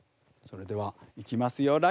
それではいきますよ。